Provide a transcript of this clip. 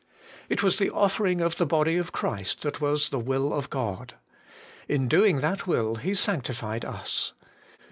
It was the offering of the body of Christ that was the will of God: in doing that will He sanctified us.